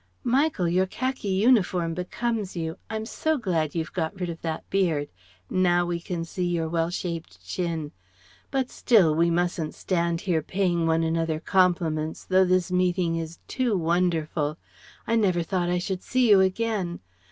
"Michael! Your khaki uniform becomes you; and I'm so glad you've got rid of that beard. Now we can see your well shaped chin. But still: we mustn't stand here, paying one another compliments, though this meeting is too wonderful: I never thought I should see you again.